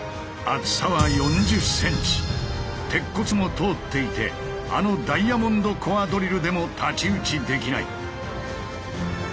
鉄骨も通っていてあのダイヤモンドコアドリルでも太刀打ちできない。